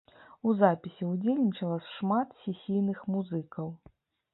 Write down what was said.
У запісе ўдзельнічала шмат сесійных музыкаў.